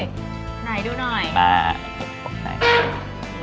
ถ่ายดูหน่อยมาป